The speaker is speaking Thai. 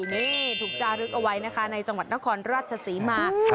นี่ถูกจารึกเอาไว้นะคะในจังหวัดนครราชศรีมา